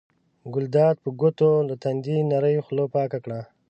ګلداد په ګوتو له تندي نرۍ خوله پاکه کړه.